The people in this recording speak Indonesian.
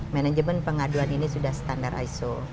manajemen pengaduan ini sudah standar iso